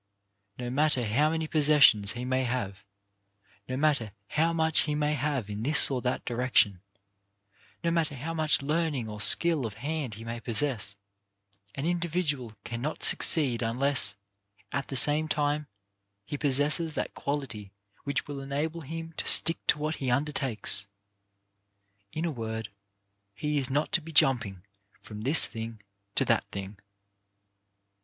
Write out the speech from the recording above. No matter how many possessions he may have, no matter how much he may have in this or that direction, no matter how much learning or skill of hand he may possess, an individual cannot succeed unless, at the same time, he possesses that quality which will enable him to stick to what he undertakes. In a word he is not to be jumping from this thing to that thing.